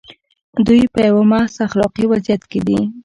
دوی په یوه محض اخلاقي وضعیت کې دي.